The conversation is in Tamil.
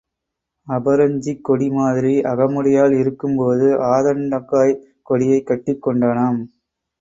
அபரஞ்சிக் கொடி மாதிரி அகமுடையாள் இருக்கும் போது ஆதண்டங்காய்க் கொடியைக் கட்டிக் கொண்டானாம்.